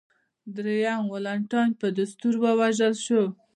درېیم والنټینیان په دستور ووژل شو